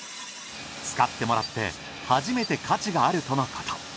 使ってもらって初めて価値があるとのこと。